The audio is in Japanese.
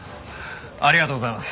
ありがとうございます。